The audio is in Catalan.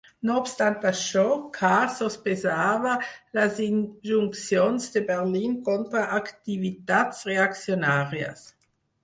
No obstant això, Kahr sospesava les injuncions de Berlín contra activitats reaccionàries.